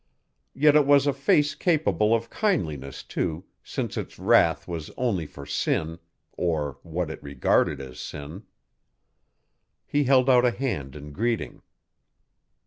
Yet it was a face capable of kindliness, too, since its wrath was only for sin or what it regarded as sin. He held out a hand in greeting.